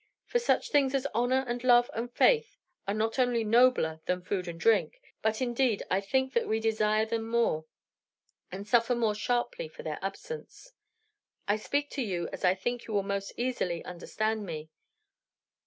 For such things as honor and love and faith are not only nobler than food and drink, but, indeed, I think that we desire them more, and suffer more sharply for their absence. I speak to you as I think you will most easily understand me.